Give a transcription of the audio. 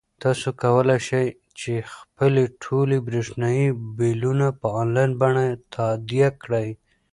تاسو کولای شئ چې خپلې ټولې برېښنايي بلونه په انلاین بڼه تادیه کړئ.